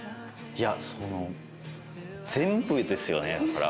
いやその全部ですよねだから。